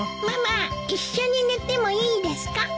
ママ一緒に寝てもいいですか？